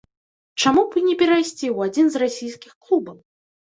Чаму б і не перайсці ў адзін з расійскіх клубаў?